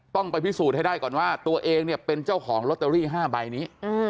ต้องไปพิสูจน์ให้ได้ก่อนว่าตัวเองเนี่ยเป็นเจ้าของลอตเตอรี่๕ใบนี้